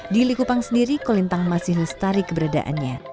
di likupang sendiri kolintang masih lestari keberadaannya